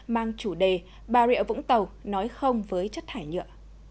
mang chủ đề bà rịa vũng tàu nói không với chất thải nhựa